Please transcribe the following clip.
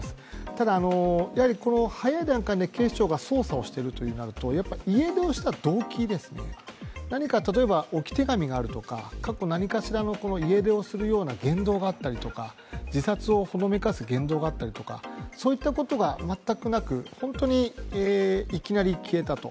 ただ、早い段階で警視庁が捜査しているとなると、家出をした動機ですね、何か例えば置き手紙があるとか、過去何かしらの家出をするような言動があるとか、自殺をほのめかす言動があったりとか、そういったことが全くなく、本当にいきなり消えたと。